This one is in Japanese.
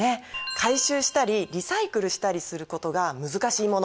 回収したりリサイクルしたりすることが難しいもの